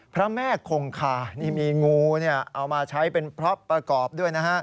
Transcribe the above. พระแม่คงคานี่มีงูเอามาใช้เป็นพร็อปประกอบด้วยนะฮะ